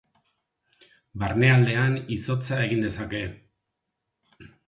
Barnealdean izotza egin dezake.